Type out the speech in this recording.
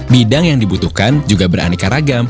bidang yang dibutuhkan juga beraneka ragam